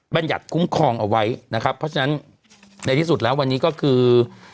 บรรยัติคุ้มครองเอาไว้นะครับเพราะฉะนั้นในที่สุดแล้ววันนี้ก็คือ